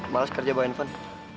balas kerja bawa handphone